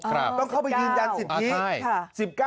ต้องเข้าไปยืนยัน๑๐พีค